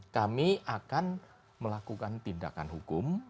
kami akan melakukan tindakan hukum